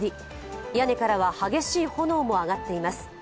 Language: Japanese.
屋根からは激しい炎も上がっています。